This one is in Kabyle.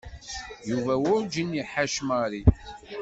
Yuba werǧin i iḥac Mary.